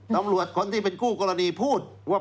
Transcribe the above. ตำรวจคนที่เป็นคู่กรณีพูดว่า